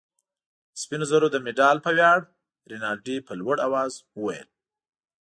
د سپینو زرو د مډال په ویاړ. رینالډي په لوړ آواز وویل.